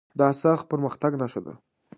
دا څرخ د پرمختګ نښه ده.